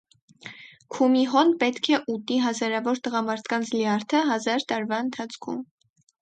Քումիհոն պետք է ուտի հազարավոր տղամարդկանց լյարդը հազար տարվա ընթացքում։